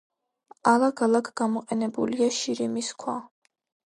ალაგ-ალაგ გამოყენებულია შირიმის ქვა.